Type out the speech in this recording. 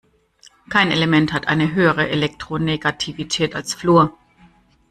Kein Element hat eine höhere Elektronegativität als Fluor.